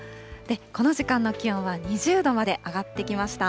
この時間の気温は２０度まで上がってきました。